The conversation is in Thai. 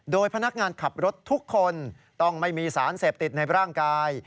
โดยพนักงานขับรถทุกคนต้องไม่มีสารเสพติดในร่างกาย